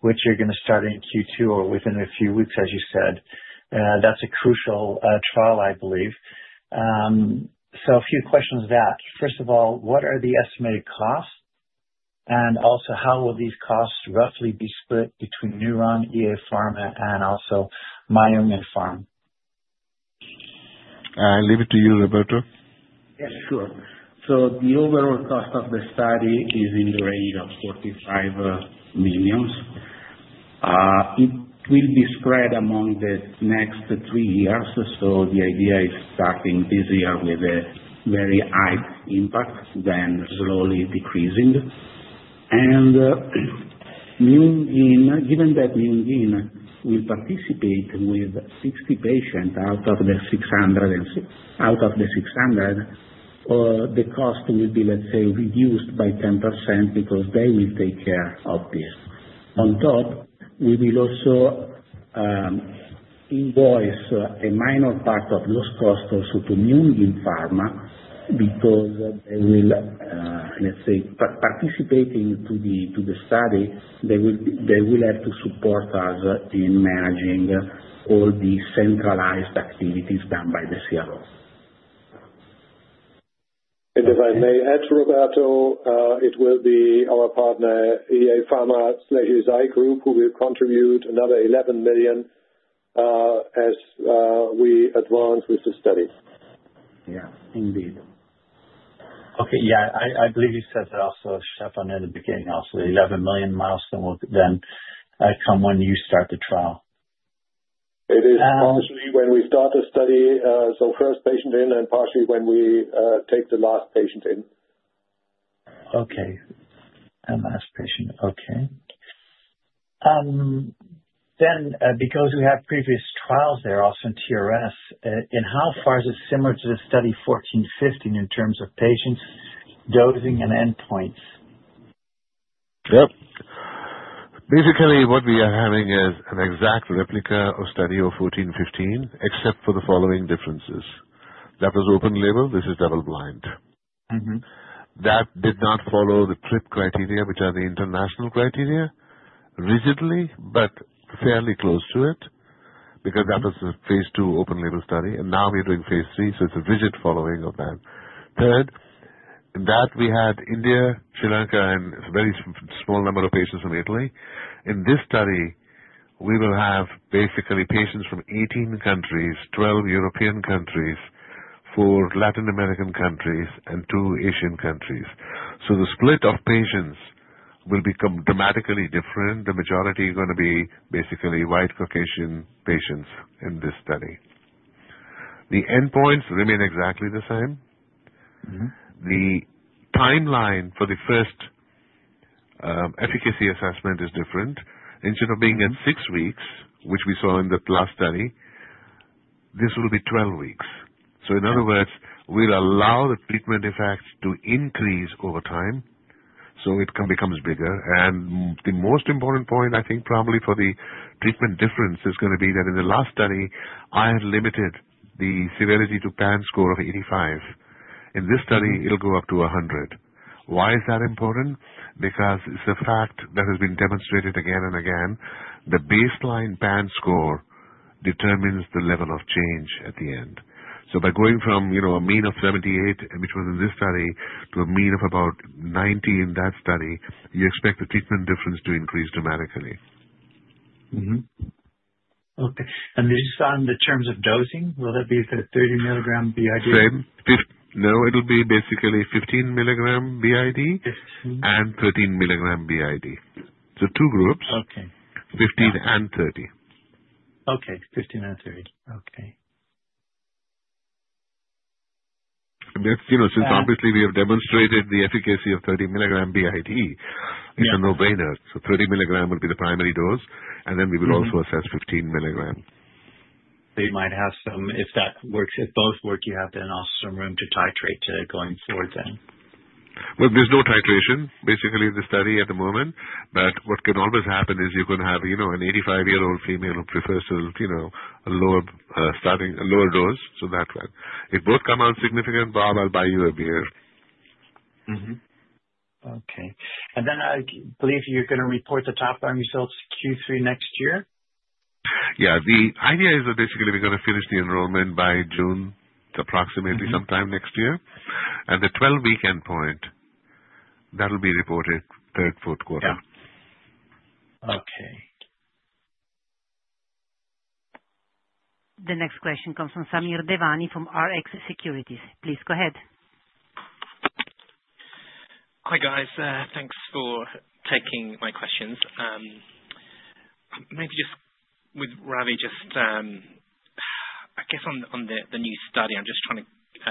which you're going to start in Q2 or within a few weeks, as you said. That's a crucial trial, I believe. A few questions on that. First of all, what are the estimated costs? Also, how will these costs roughly be split between Newron, EA Pharma, and Myung In Pharm? I leave it to you, Roberto. Yeah, sure. The overall cost of the study is in the range of 45 million. It will be spread among the next three years. The idea is starting this year with a very high impact, then slowly decreasing. Given that Myung In Pharm will participate with 60 patients out of the 600, the cost will be, let's say, reduced by 10% because they will take care of this. On top, we will also invoice a minor part of those costs also to Myung In Pharm, because they will, let's say, participating to the study, they will have to support us in managing all the centralized activities done by the CRO. If I may add to Roberto, it will be our partner, EA Pharma/Eisai Group, who will contribute another 11 million as we advance with the study. Yeah, indeed. Okay. Yeah. I believe you said that also, Stefan, in the beginning also, 11 million milestone will then come when you start the trial. It is partially when we start the study, so first patient in, and partially when we take the last patient in. Okay. Last patient. Okay. Because we have previous trials there also in TRS, in how far is it similar to the Study 014/015 in terms of patients, dosing, and endpoints? Yep. Basically what we are having is an exact replica of Study 014/015, except for the following differences. That was open-label, this is double-blind. That did not follow the TRRIP criteria, which are the international criteria rigidly, but fairly close to it, because that was a phase II open-label study. Now we're doing phase III, so it's a rigid following of that. Third, in that we had India, Sri Lanka, and a very small number of patients from Italy. In this study, we will have basically patients from 18 countries: 12 European countries, four Latin American countries, and two Asian countries. The split of patients will become dramatically different. The majority are going to be basically white Caucasian patients in this study. The endpoints remain exactly the same. The timeline for the first efficacy assessment is different. Instead of being in six weeks, which we saw in the last study, this will be 12 weeks. In other words, we'll allow the treatment effects to increase over time so it becomes bigger. The most important point, I think probably for the treatment difference, is going to be that in the last study, I had limited the severity to PANSS score of 85. In this study, it'll go up to 100. Why is that important? Because it's a fact that has been demonstrated again and again. The baseline PANSS score determines the level of change at the end. By going from a mean of 78, which was in this study, to a mean of about 90 in that study, you expect the treatment difference to increase dramatically. Okay. Just on the terms of dosing, will it be the 30 milligram BID? No, it'll be basically 15 milligram BID. 15 30 milligram BID. Two groups. Okay. 15 and 30. Okay, 15 and 30. Okay. Obviously, we have demonstrated the efficacy of 30 milligram BID. Yeah. It's a no-brainer. 30 milligram will be the primary dose, and then we will also assess 15 milligram. If that works, if both work, you have then also some room to titrate going forward then. Well, there's no titration basically in the study at the moment, but what can always happen is you can have an 85-year-old female who prefers to, starting a lower dose, so that way. If both come out significant, Bob, I'll buy you a beer. Mm-hmm. Okay. I believe you're going to report the top-line results Q3 next year? Yeah. The idea is that basically we're going to finish the enrollment by June, approximately sometime next year. The 12-week endpoint, that'll be reported third, fourth quarter. Okay. The next question comes from Samir Devani from Rx Securities. Please go ahead. Hi, guys. Thanks for taking my questions. Maybe just with Ravi, just, I guess on the new study, I'm just trying to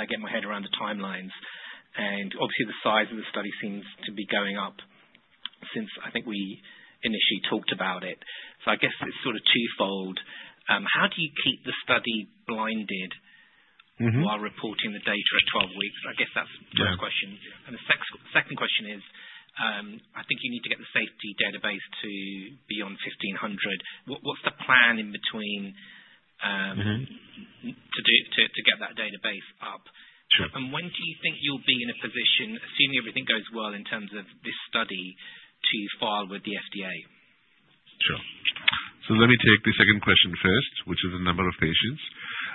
get my head around the timelines. Obviously the size of the study seems to be going up since I think we initially talked about it. I guess it's sort of twofold. How do you keep the study blinded? while reporting the data at 12 weeks? I guess that's the first question. The second question is, I think you need to get the safety database to be on 1,500. What's the plan in between- to get that database up? Sure. When do you think you'll be in a position, assuming everything goes well in terms of this study, to file with the FDA? Sure. Let me take the second question first, which is the number of patients.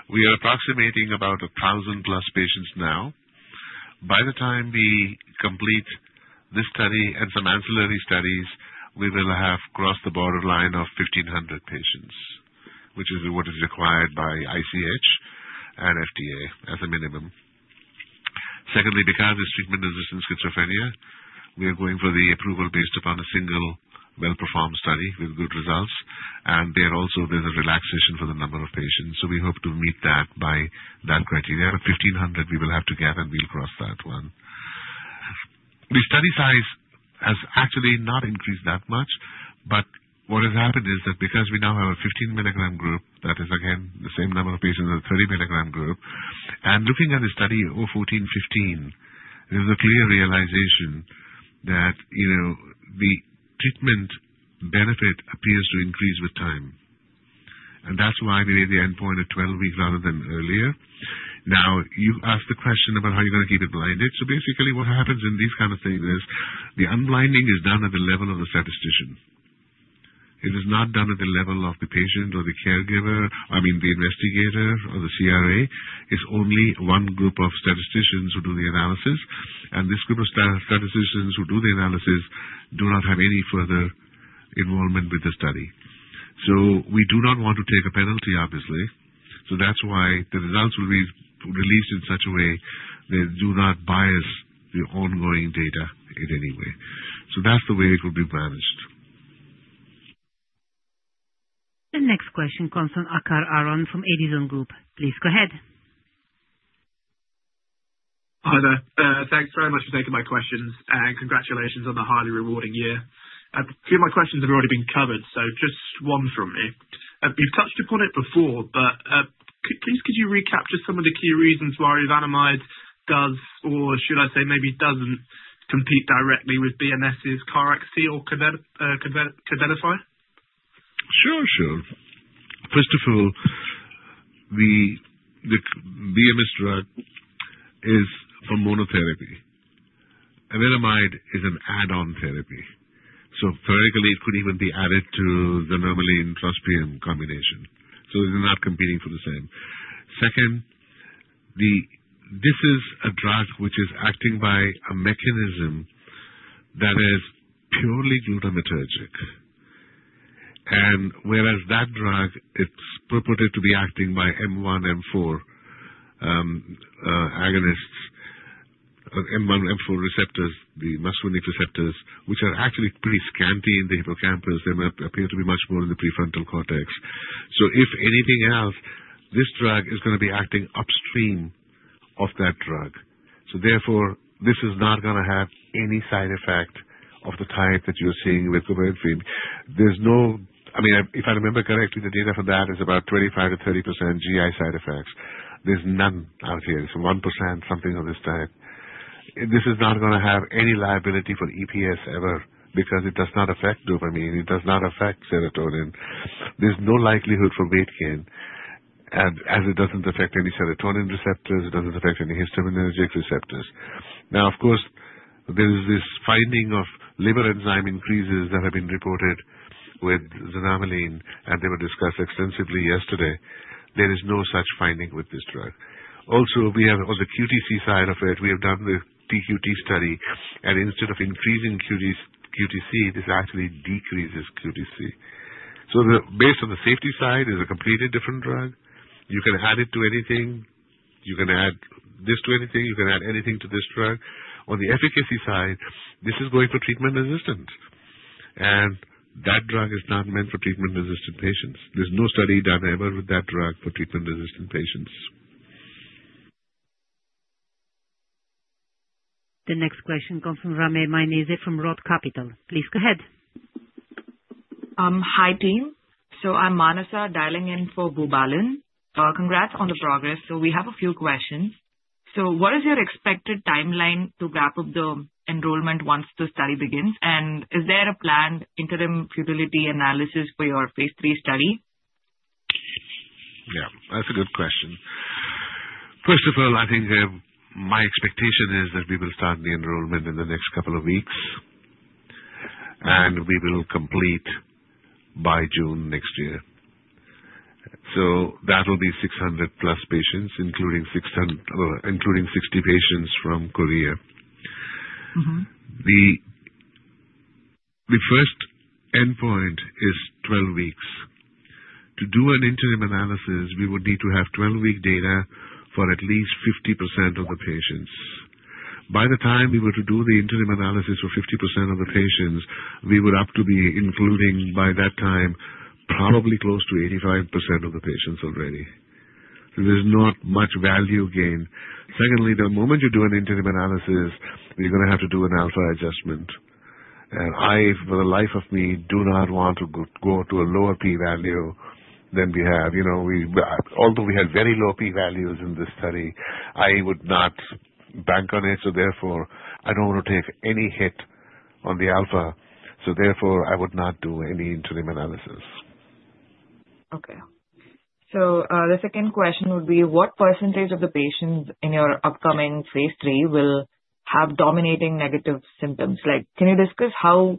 We are approximating about 1,000 plus patients now. By the time we complete this study and some ancillary studies, we will have crossed the borderline of 1,500 patients, which is what is required by ICH and FDA as a minimum. Secondly, because this treatment is used in schizophrenia, we are going for the approval based upon a single well-performed study with good results, there also been a relaxation for the number of patients. We hope to meet that by that criteria. Out of 1,500, we will have to get and we'll cross that one. The study size has actually not increased that much, what has happened is that because we now have a 15-milligram group, that is again, the same number of patients as a 30-milligram group. Looking at the study 014, 15, there's a clear realization that the treatment benefit appears to increase with time. That's why we made the endpoint at 12 weeks rather than earlier. You've asked the question about how you're going to keep it blinded. Basically what happens in these kind of things is the unblinding is done at the level of the statistician. It is not done at the level of the patient or the caregiver. I mean, the investigator or the CRA. It's only one group of statisticians who do the analysis, and this group of statisticians who do the analysis do not have any further involvement with the study. We do not want to take a penalty, obviously. That's why the results will be released in such a way they do not bias the ongoing data in any way. That's the way it will be managed. The next question comes from Akash Aron from Edison Group. Please go ahead. Hi there. Thanks very much for taking my questions, congratulations on the highly rewarding year. A few of my questions have already been covered, just one from me. You've touched upon it before, but please could you recapture some of the key reasons why evenamide does, or should I say maybe doesn't, compete directly with BMS's KarXT COBENFY? Sure. First of all, the BMS drug is a monotherapy. evenamide is an add-on therapy. Theoretically, it could even be added to the xanomeline plus trospium combination. They're not competing for the same. Second, this is a drug which is acting by a mechanism that is purely glutamatergic. Whereas that drug, it's purported to be acting by M1/M4 agonists, M1/M4 receptors, the muscarinic receptors, which are actually pretty scanty in the hippocampus. They appear to be much more in the prefrontal cortex. If anything else, this drug is going to be acting upstream of that drug. Therefore, this is not going to have any side effect of the type that you're seeing with COBENFY. If I remember correctly, the data for that is about 25%-30% GI side effects. There's none out here. It's 1%, something of this type. This is not going to have any liability for EPS ever because it does not affect dopamine, it does not affect serotonin. There's no likelihood for weight gain, as it doesn't affect any serotonin receptors, it doesn't affect any histaminergic receptors. Now, of course, there is this finding of liver enzyme increases that have been reported with xanomeline, and they were discussed extensively yesterday. There is no such finding with this drug. Also, on the QTC side of it, we have done the TQT study, and instead of increasing QTC, this actually decreases QTC. Based on the safety side, it's a completely different drug. You can add it to anything. You can add this to anything. You can add anything to this drug. On the efficacy side, this is going for treatment-resistant, and that drug is not meant for treatment-resistant patients. There's no study done ever with that drug for treatment-resistant patients. The next question comes from [inaudible] from Roth Capital. Please go ahead. Hi, team. I'm Manasa dialing in for Naureen Quibria. Congrats on the progress. We have a few questions. What is your expected timeline to wrap up the enrollment once the study begins? Is there a planned interim futility analysis for your phase III study? That's a good question. First of all, my expectation is that we will start the enrollment in the next couple of weeks, and we will complete by June next year. That'll be 600 plus patients, including 60 patients from Korea. The first endpoint is 12 weeks. To do an interim analysis, we would need to have 12-week data for at least 50% of the patients. By the time we were to do the interim analysis for 50% of the patients, we were up to be including, by that time, probably close to 85% of the patients already. There's not much value gain. Secondly, the moment you do an interim analysis, you're going to have to do an alpha adjustment. I, for the life of me, do not want to go to a lower P value than we have. Although we had very low P values in this study, I would not bank on it, therefore, I don't want to take any hit on the alpha. Therefore, I would not do any interim analysis. Okay. The second question would be, what percentage of the patients in your upcoming phase III will have dominating negative symptoms? Can you discuss how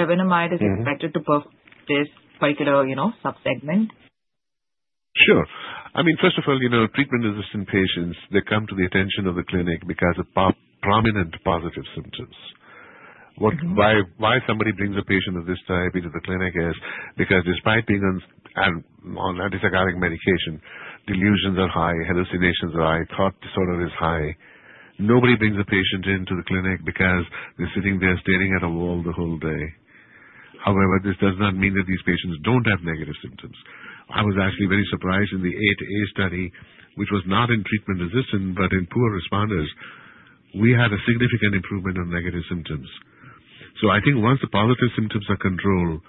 evenamide is expected to buff this particular subsegment? Sure. I mean, first of all, treatment-resistant patients, they come to the attention of the clinic because of prominent positive symptoms. Why somebody brings a patient of this type into the clinic is because despite being on antipsychotic medication, delusions are high, hallucinations are high, thought disorder is high. Nobody brings a patient into the clinic because they're sitting there staring at a wall the whole day. However, this does not mean that these patients don't have negative symptoms. I was actually very surprised in the A to A study, which was not in treatment-resistant but in poor responders. We had a significant improvement on negative symptoms. I think once the positive symptoms are controlled,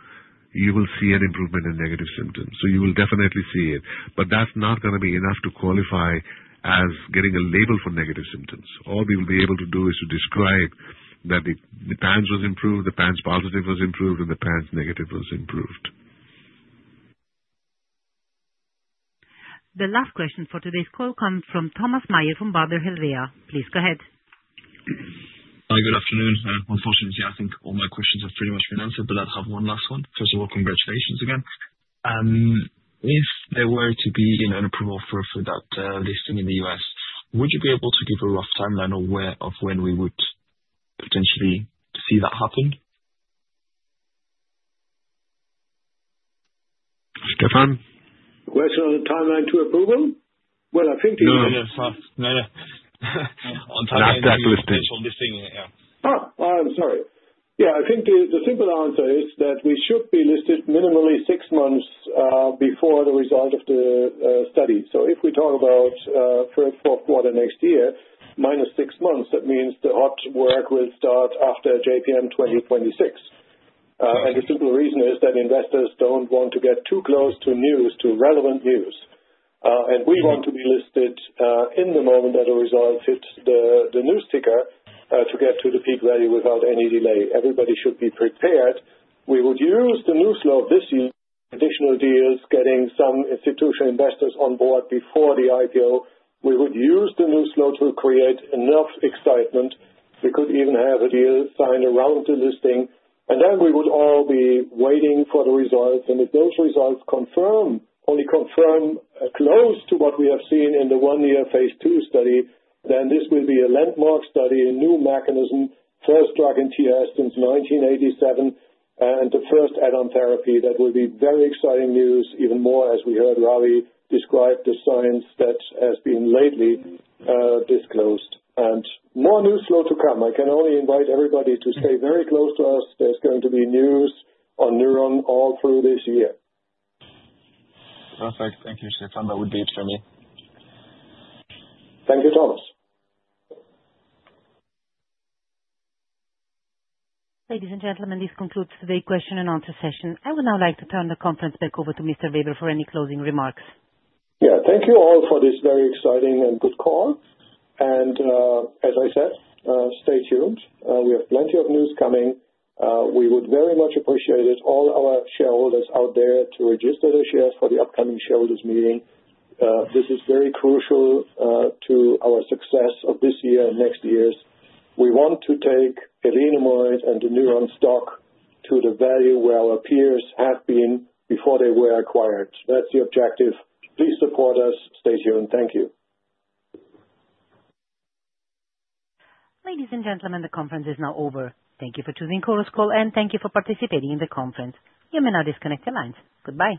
you will see an improvement in negative symptoms. You will definitely see it. That's not going to be enough to qualify as getting a label for negative symptoms. All we will be able to do is to describe that the PANSS was improved, the PANSS positive was improved, and the PANSS negative was improved. The last question for today's call comes from Thomas from Baader Helvea. Please go ahead. Hi. Good afternoon. Unfortunately, I think all my questions have pretty much been answered, but I have one last one. First of all, congratulations again. If there were to be an approval for that listing in the U.S., would you be able to give a rough timeline of when we would potentially see that happen? Stefan? Question on the timeline to approval? Well, I think No, on timeline to potential listing. Yeah. Oh, I'm sorry. Yeah, I think the simple answer is that we should be listed minimally 6 months before the result of the study. If we talk about third or fourth quarter next year, minus 6 months, that means the hot work will start after JPM 2026. The simple reason is that investors don't want to get too close to news, to relevant news. We want to be listed in the moment that a result hits the news ticker to get to the peak value without any delay. Everybody should be prepared. We would use the news flow of this additional deals, getting some institutional investors on board before the IPO. We would use the news flow to create enough excitement. We could even have a deal signed around the listing, we would all be waiting for the results. If those results only confirm close to what we have seen in the one-year phase II study, then this will be a landmark study, a new mechanism, first drug in TRS since 1987, and the first add-on therapy. That will be very exciting news, even more as we heard Ravi describe the science that has been lately disclosed. More news flow to come. I can only invite everybody to stay very close to us. There's going to be news on Newron all through this year. Perfect. Thank you, Stefan. That would be it for me. Thank you, Thomas. Ladies and gentlemen, this concludes today's question and answer session. I would now like to turn the conference back over to Stefan Weber for any closing remarks. Yeah. Thank you all for this very exciting and good call. As I said, stay tuned. We have plenty of news coming. We would very much appreciate it if all our shareholders out there to register their shares for the upcoming shareholders meeting. This is very crucial to our success of this year and next year's. We want to take evenamide and the Newron stock to the value where our peers have been before they were acquired. That's the objective. Please support us. Stay tuned. Thank you. Ladies and gentlemen, the conference is now over. Thank you for choosing Chorus Call, and thank you for participating in the conference. You may now disconnect your lines. Goodbye.